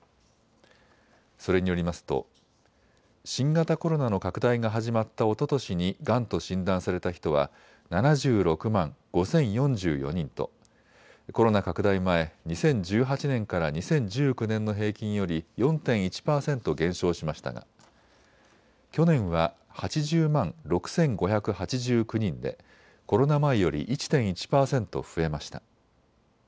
それによりますと新型コロナの拡大が始まったおととしにがんと診断された人は７６万５０４４人とコロナ拡大前、２０１８年から２０１９年の平均より４．１％減少しましたが去年は８０万６５８９人でコロナ前より１．１％増えました。